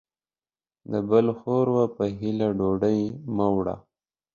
د بل د ښور وا په هيله ډوډۍ مه وړوه.